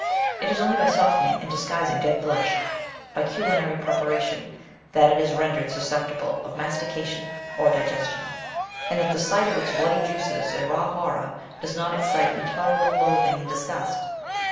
It is only by softening and disguising dead flesh by culinary preparation that it is rendered susceptible of mastication or digestion, and that the s^ht of its bloody juices and raw horror does not exdte intolerable loathing and disgust.